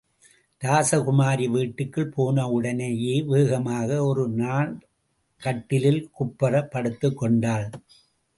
ராசகுமாரி வீட்டுக்குள் போனவுடனேயே வேகமாக ஒடி நார்க்கட்டிலில் குப்புறப் படுத்துக் கொண்டாள்.